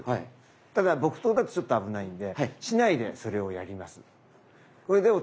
ただ木刀だとちょっと危ないんで竹刀でそれをやります。